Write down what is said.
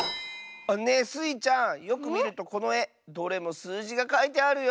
ねえスイちゃんよくみるとこのえどれもすうじがかいてあるよ！